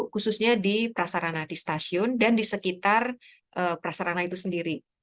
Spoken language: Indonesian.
khususnya di prasarana di stasiun dan di sekitar prasarana itu sendiri